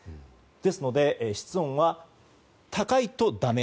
ですので、室温は高いとだめ。